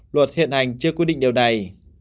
luật hiện hành chưa quy định điều này